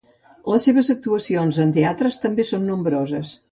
Les seves actuacions en teatres també són nombroses.